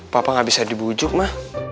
papa nggak bisa dibujuk ma